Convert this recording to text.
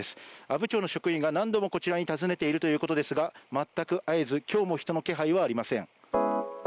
阿武町の職員が何度もこちらに訪ねているということですが全く会えず今日も人の気配はありません。